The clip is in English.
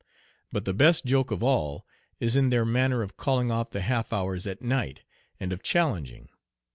But the best joke of all is in their manner of calling off the half hours at night, and of challenging.